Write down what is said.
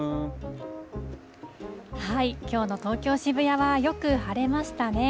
きょうの東京・渋谷はよく晴れましたね。